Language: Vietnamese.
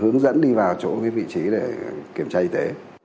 hướng dẫn đi vào chỗ vị trí để kiểm tra y tế